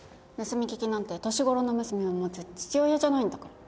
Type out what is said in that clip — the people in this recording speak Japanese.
盗み聞きなんて年頃の娘を持つ父親じゃないんだから。